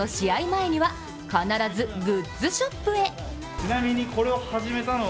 前には必ずグッズショップへ。